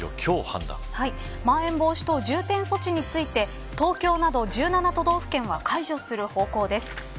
まん延防止等重点措置について東京など１７都道府県は解除する方向です。